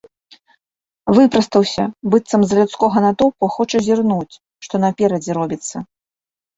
Выпрастаўся, быццам з-за людскога натоўпу хоча зірнуць, што наперадзе робіцца.